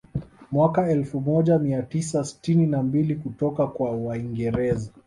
Mwaka elfu moja mia tisa sitini na mbili kutoka kwa waingereza